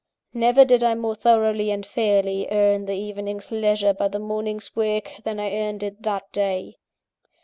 Never did I more thoroughly and fairly earn the evening's leisure by the morning's work, than I earned it that day.